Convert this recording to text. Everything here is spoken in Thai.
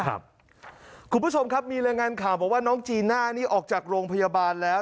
คุณผู้ชมครับมีรายงานข่าวบอกว่าน้องจีน่านี่ออกจากโรงพยาบาลแล้ว